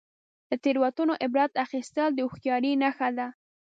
• له تیروتنو عبرت اخیستل د هوښیارۍ نښه ده.